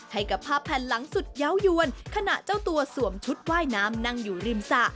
ให้กับภาพแผ่นหลังสุดเยาวยวนขณะเจ้าตัวสวมชุดว่ายน้ำนั่งอยู่ริมสระ